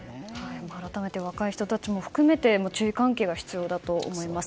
改めて若い人たちも含めて注意喚起が必要だと思います。